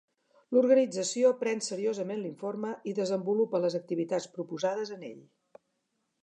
L'Organització pren seriosament l'informe i desenvolupa les activitats proposades en ell.